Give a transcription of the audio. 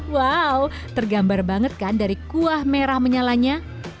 wow tergambar banget kan dari kuah merah menyalanya